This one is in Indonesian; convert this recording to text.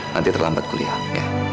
nanti terlambat kuliah ya